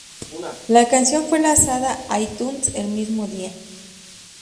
La canción fue lanzada a iTunes el mismo día.